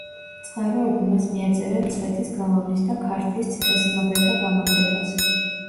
წყაროები მას მიაწერენ მცხეთის გალავნის და ქართლის ციხესიმაგრეთა გამაგრებას.